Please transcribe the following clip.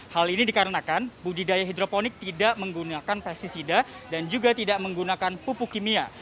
hal ini dikarenakan budidaya hidroponik tidak menggunakan pesticida dan juga tidak menggunakan pupuk kimia